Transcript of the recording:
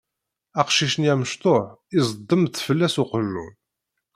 Aqcic-nni amecṭuḥ iẓeddem-d fell-as uqjun.